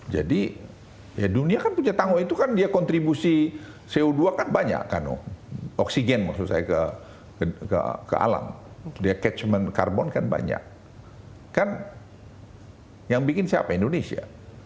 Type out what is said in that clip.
jadi ya dunia kan punya tanggung itu kan dia kontribusi co dua kan banyak kan oksigen maksud saya ke alam dia catchment karbon kan banyak kan yang bikin siapa indonesia